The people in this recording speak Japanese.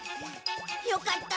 よかった！